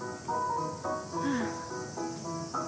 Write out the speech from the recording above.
うん。